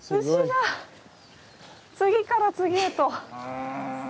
牛が次から次へと。